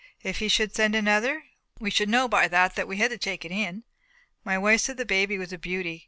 If he should send another, we should know by that that we had to take it in." My wife said the baby was a beauty.